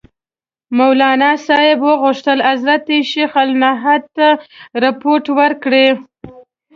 مولناصاحب غوښتل حضرت شیخ الهند ته رپوټ ورکړي.